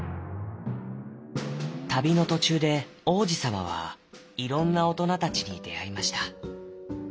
たびのとちゅうで王子さまはいろんなおとなたちにであいました。